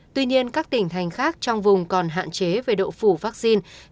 tuy nhiên các tỉnh thành khác trong vùng còn hạn chế về độ phủ vaccine